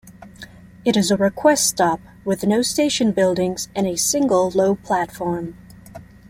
It is a request stop with no station buildings and a single low platform.